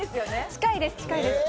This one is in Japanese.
近いです。